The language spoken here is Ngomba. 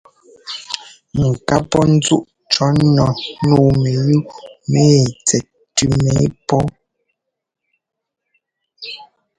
Ŋ ká pɔ́ ńzúꞌ cɔ̌ nu nǔu mɛyúu mɛ ɛ́ tsɛt tʉ́m yú pɔ́.